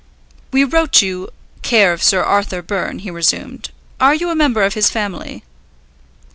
"We wrote you care of Sir Arthur Byrne," he resumed; "are you a member of his family?"